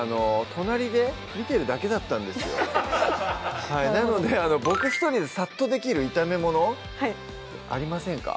隣で見てるだけだったんですよなのでボク１人でサッとできる炒め物ありませんか？